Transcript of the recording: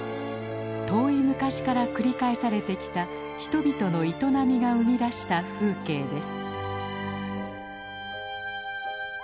遠い昔から繰り返されてきた人々の営みが生み出した風景です。